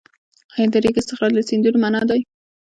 آیا د ریګ استخراج له سیندونو منع دی؟